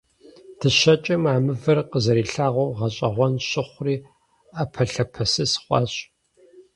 Дыщэкӏым а мывэр къызэрилъагъуу, гъэщӀэгъуэн щыхъури, Ӏэпэлъапэсыс хъуащ.